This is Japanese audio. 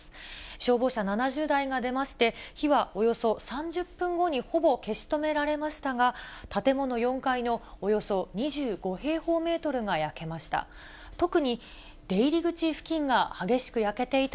消防車７０台が出まして、火はおよそ３０分後にほぼ消し止められましたが、建物４階のおよそ２５平方メートルが焼けました。